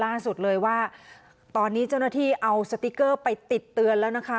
ล่าสุดเลยว่าตอนนี้เจ้าหน้าที่เอาสติ๊กเกอร์ไปติดเตือนแล้วนะคะ